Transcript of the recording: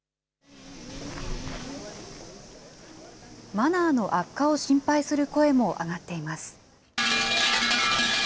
マナーの悪化を心配する声も上がっています。